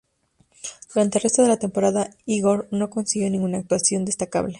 Durante el resto de la temporada Igor no consiguió ninguna otra actuación destacable.